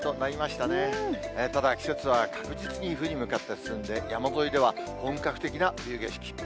ただ、季節は確実に冬に向かって進んで、山沿いでは本格的な冬景色。